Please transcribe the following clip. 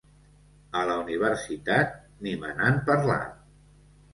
A la Universitat ni me n'han parlat.